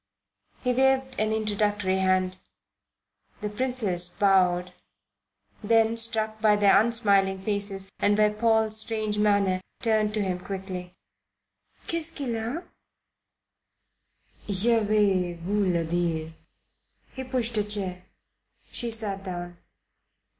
He waved an introductory hand. The Princess: bowed; then, struck by their unsmiling faces and by Paul's strange manner, turned to him quickly. "'Qu'est ce qu'il y a?" "Je vais vous le dire." He pushed a chair. She sat down.